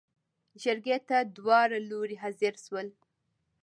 جرګې ته داوړه لورې حاضر شول.